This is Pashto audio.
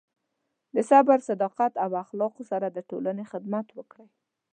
د صبر، صداقت، او اخلاقو سره د ټولنې خدمت وکړئ.